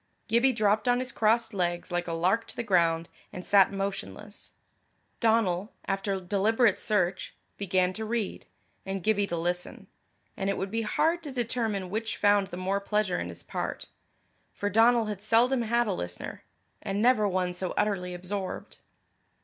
Gibbie dropped on his crossed legs like a lark to the ground, and sat motionless. Donal, after deliberate search, began to read, and Gibbie to listen; and it would be hard to determine which found the more pleasure in his part. For Donal had seldom had a listener and never one so utterly absorbed.